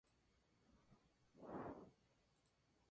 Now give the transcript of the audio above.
Se estableció una segunda base en Cairns.